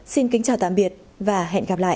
xin kính chào tạm biệt và hẹn gặp lại